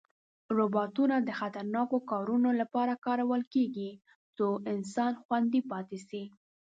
روباټونه د خطرناکو کارونو لپاره کارول کېږي، څو انسان خوندي پاتې شي.